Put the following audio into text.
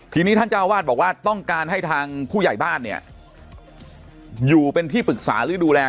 ทีนี้ท่านเจ้าวาดบอกว่าต้องการให้ทางผู้ใหญ่บ้านเนี่ยอยู่เป็นที่ปรึกษาหรือดูแล